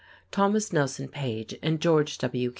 Thomas Nelson Page and George W.